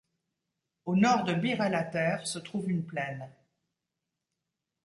Au nord de Bir el-Ater se trouve une plaine.